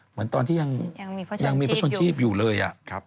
เหมือนตอนที่ยังมีพระชนชีพอยู่เลย